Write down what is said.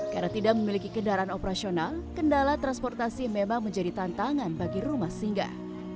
karena tidak memiliki kendaraan operasional kendala transportasi memang menjadi tantangan bagi rumah singgah